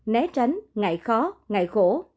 né tránh ngại khó ngại khổ